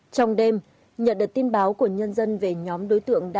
trong đêm nhận được tin báo của nhân dân về nhóm đối tượng